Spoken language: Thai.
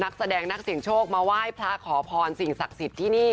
นักแสดงนักเสียงโชคมาไหว้พระขอพรสิ่งศักดิ์สิทธิ์ที่นี่